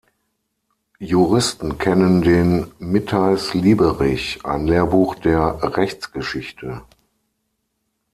Juristen kennen den "Mitteis-Lieberich", ein Lehrbuch der Rechtsgeschichte.